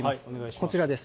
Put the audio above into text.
こちらです。